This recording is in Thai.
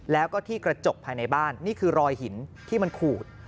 แล้วก็ที่กระจกภายในบ้านนี่คือรอยหินที่มันขูด